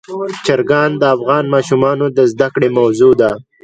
چرګان د افغان ماشومانو د زده کړې موضوع ده.